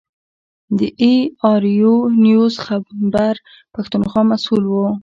د اې ار یو نیوز خیبر پښتونخوا مسوول و.